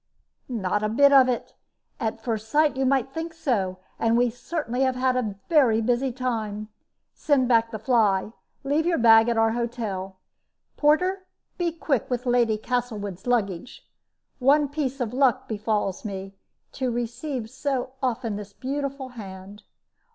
"Not a bit of it. At first sight you might think so; and we certainly have had a very busy time. Send back the fly. Leave your bag at our hotel. Porter, be quick with Lady Castlewood's luggage. One piece of luck befalls me to receive so often this beautiful hand.